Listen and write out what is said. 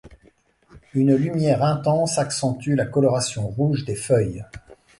Une lumière intense accentue la coloration rouge des feuilles.